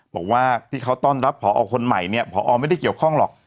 บอกว่าที่เขาต้อนรับผอคนใหม่เนี่ยพอไม่ได้เกี่ยวข้องหรอก